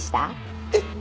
えっ！？